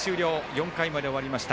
４回まで終わりました。